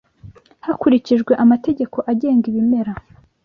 Hakurikijwe amategeko agenga ibimera